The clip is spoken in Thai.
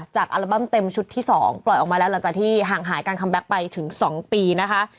อัลบั้มเต็มชุดที่๒ปล่อยออกมาแล้วหลังจากที่ห่างหายการคัมแก๊กไปถึง๒ปีนะคะ